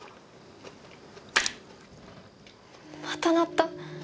また鳴った。